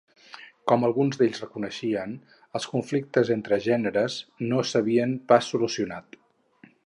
Com alguns d'ells reconeixien, els conflictes entre gèneres no s'havien pas solucionat.